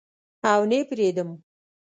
او نه یې پریدم